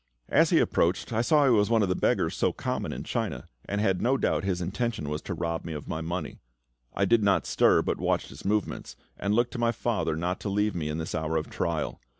As he approached I saw he was one of the beggars so common in China, and had no doubt his intention was to rob me of my money. I did not stir, but watched his movements, and looked to my FATHER not to leave me in this hour of trial.